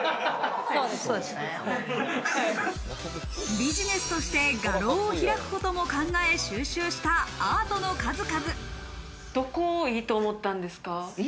ビジネスとして画廊を開くことも考え収集したアートの数々。